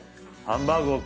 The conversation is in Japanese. ハンバーグを。